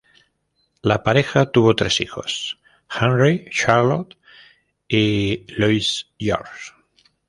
La pareja tuvo tres hijos: Henri, Charlotte y Louis-Georges.